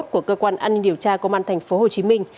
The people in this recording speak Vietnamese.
của cơ quan an ninh điều tra công an tp hcm